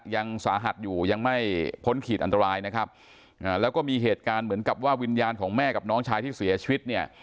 ยังสาหัสอยู่ยังไม่พ้นขีดอันตรายนะครับอ่าแล้วก็มีเหตุการณ์เหมือนกับว่าวิญญาณของแม่กับน้องชายที่เสียชีวิตเนี่ย